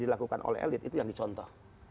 dilakukan oleh elit itu yang dicontoh